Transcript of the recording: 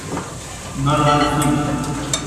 no lo han sido.